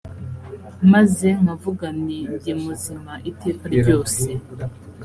maze nkavuga nti ’ndi muzima iteka ryose.